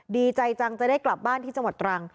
ดีใจจังจะได้กลับบ้านที่จังหวัดตรัง